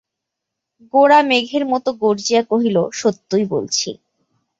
গোরা মেঘের মতো গর্জিয়া কহিল, সত্যই বলছি।